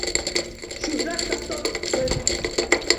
Shuhrat Sattorov: Biz